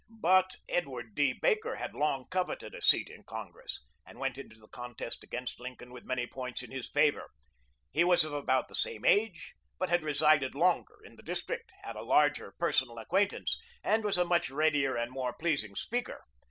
But Edward D. Baker had long coveted a seat in Congress, and went into the contest against Lincoln with many points in his favor. He was of about the same age, but had resided longer in the district, had a larger personal acquaintance, and was a much readier and more pleasing speaker.